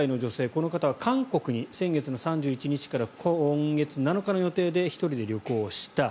この方は韓国に先月３１日から今月７日の予定で１人で旅行した。